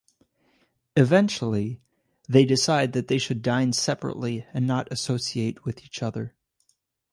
Eventually, they decide that they should dine separately and not associate with each other.